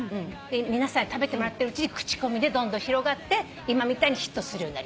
皆さんに食べてもらってるうちに口コミでどんどん広がって今みたいにヒットするようになりました。